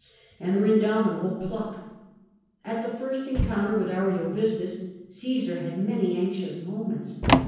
s, and their indomit able pluck. At his first encounter with Ariovistus, Caesar had many anxious moments.